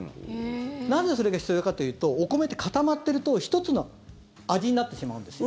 なぜそれが必要かというとお米って固まってると１つの味になってしまうんです。